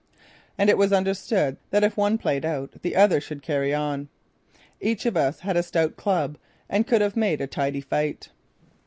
And it was understood that if one played out the other should carry on. Each of us had a stout club and could have made a tidy fight.